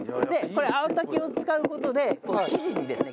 これ青竹を使う事で生地にですね